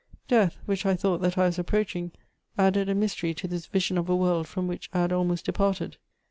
Death, which I thought that I was approaching, added a mystery to this vision of a world from which I had almost departed.